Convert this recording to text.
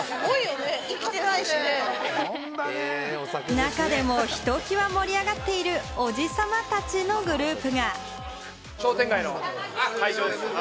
中でもひときわ盛り上がっている、おじさまたちのグループが。